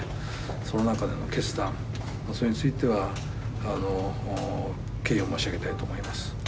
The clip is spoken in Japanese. その中での決断、それについては、敬意を申し上げたいと思います。